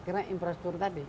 karena infrastruktur tadi